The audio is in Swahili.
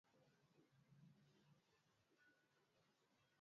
viazi lishe huchomwa